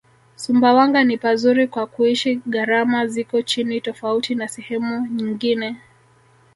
Sumbawanga ni pazuri kwa kuishi gharama ziko chini tofauti na sehemu nyngine